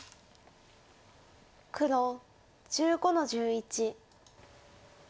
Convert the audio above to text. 黒１５の十一。